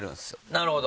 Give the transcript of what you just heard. なるほど！